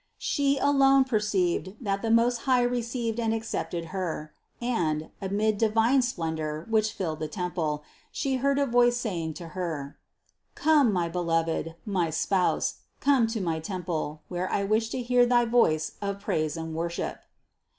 She alone perceived that the Most High received and accepted Her, and, amid divine splen dor which filled the temple, She heard a voice saying to Her : "Come, my Beloved, my Spouse, come to my temple, where I wish to hear thy voice of praise and worship."